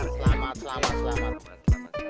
selamat selamat selamat